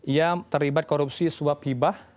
yang terlibat korupsi suap hibah